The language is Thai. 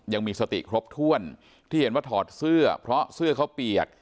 ยังมีสติครบถ้วนที่เห็นว่าถอดเสื้อเพราะเสื้อเขาเปียก